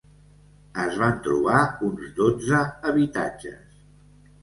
Es van trobar uns dotze habitatges.